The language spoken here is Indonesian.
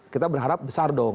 kita berharap besar dong